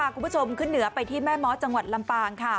คุณผู้ชมขึ้นเหนือไปที่แม่ม้อจังหวัดลำปางค่ะ